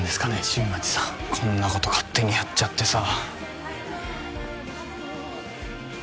新町さんこんなこと勝手にやっちゃってさ